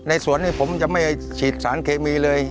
สวนนี้ผมจะไม่ฉีดสารเคมีเลย